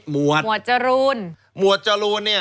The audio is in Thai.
มวดจรูน